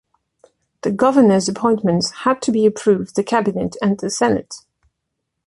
The Governor's appointments had to be approved the Cabinet and the Senate.